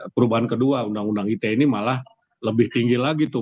perubahan kedua undang undang ite ini malah lebih tinggi lagi tuh